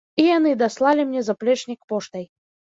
І яны даслалі мне заплечнік поштай.